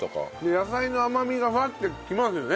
野菜の甘みがふわってきますよね。